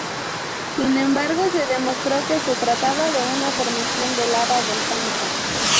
Sin embargo se demostró que se trataba de una formación de lava volcánica.